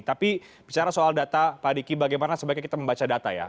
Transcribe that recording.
tapi bicara soal data pak diki bagaimana sebaiknya kita membaca data ya